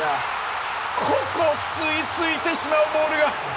ここ吸いついてしまうボールが。